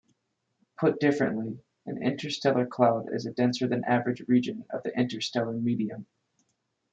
Put differently, an interstellar cloud is a denser-than-average region of the interstellar medium.